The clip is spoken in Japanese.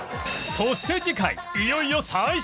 そして次回いよいよ最終戦！